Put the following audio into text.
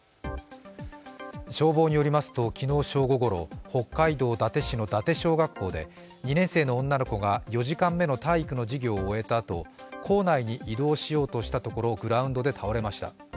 消防によりますと昨日正午ごろ北海道伊達市の伊達小学校で２年生の女の子が４時間目の体育の授業を終えたあと、校内に移動しようとしたところグラウンドで倒れました。